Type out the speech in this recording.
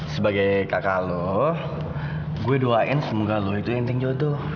sebagai kakak lo gue doain semoga lo itu yang tinjau tuh